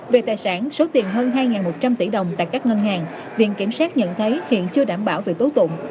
về tài sản số tiền hơn hai một trăm linh tỷ đồng tại các ngân hàng viện kiểm sát nhận thấy hiện chưa đảm bảo về tố tụng